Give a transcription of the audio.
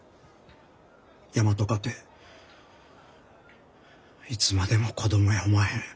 大和かていつまでも子供やおまへん。